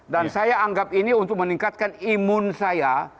dan saya anggap ini untuk meningkatkan imun saya